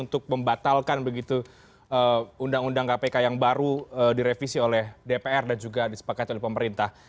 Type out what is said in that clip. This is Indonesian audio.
untuk membatalkan begitu undang undang kpk yang baru direvisi oleh dpr dan juga disepakati oleh pemerintah